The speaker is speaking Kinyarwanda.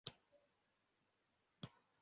Abantu benshi bateraniye mu nyubako yuzuye